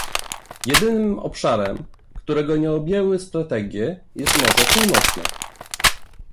Jedynym obszarem, którego nie objęły strategie, jest Morze Północne